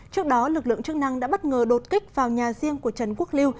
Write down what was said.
trước đó lực lượng chức năng đã bất ngờ đột kích vào nhà riêng của trần quốc liêu